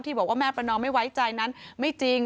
บอกว่าแม่ประนอมไม่ไว้ใจนั้นไม่จริง